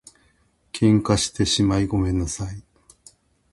喧嘩してしまいごめんなさい